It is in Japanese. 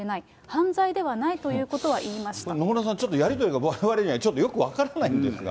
犯罪ではないという野村さん、ちょっとやり取りがわれわれにはちょっとよく分からないんですが。